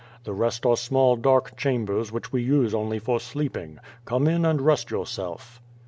The rest are small dark chambers which we use only for sleeping. Come in and rest yourself."